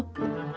lalu aku berpikir